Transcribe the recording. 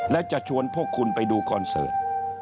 แล้วจะชวนพวกคุณไปดูคอนเสิร์ต